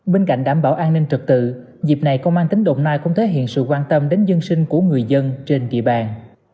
bên cạnh đảm bảo an ninh trực tự dịp này công an tính động này cũng thể hiện sự quan tâm đến dân sinh của người dân trên địa bàn